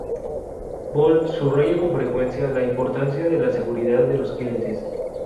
Bolt subraya con frecuencia la importancia de la seguridad de los clientes.